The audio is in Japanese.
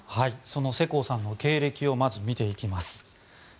その世耕さんの経歴をまず見ていきます。